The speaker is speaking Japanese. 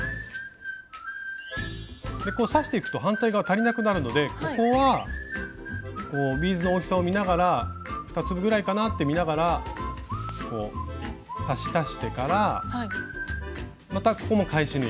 刺していくと反対側足りなくなるのでここはビーズの大きさを見ながら２粒ぐらいかなって見ながら刺し足してからまたここも返し縫い。